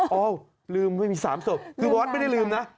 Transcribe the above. ลืมไม่มี๓ศพคือวัดไม่ได้ลืมนะ